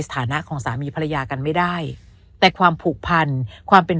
ฐานะของสามีภรรยากันไม่ได้แต่ความผูกพันความเป็น